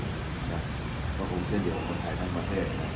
เพราะผมเชื่อเดียวกับคนไทยทั้งประเทศแม้ว่าผมอยู่ทุกคน